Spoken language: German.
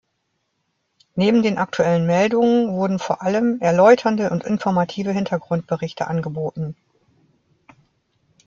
Neben den aktuellen Meldungen wurden vor allem erläuternde und informative Hintergrundberichte angeboten.